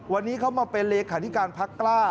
วันนี้เขามาเป็นเลขาธิการพักกล้า